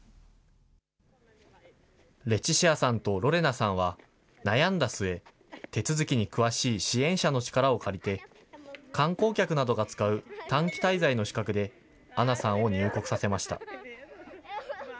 レチシアさんとロレナさんは、悩んだ末、手続きに詳しい支援者の力を借りて、観光客などが使う短期滞在の資格でアナさんを入国させました。